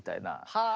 はあ。